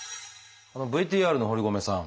ＶＴＲの堀米さん